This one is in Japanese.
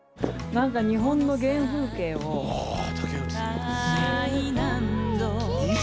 何か日本の原風景をねっ！